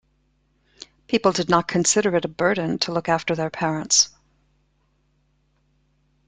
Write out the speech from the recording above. People did not consider it a burden to look after their parents.